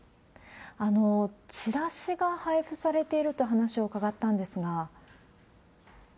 チラシが配布されているという話を伺ったんですが。